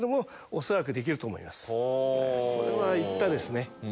これは行ったですね。